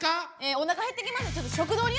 おなか減ってきました。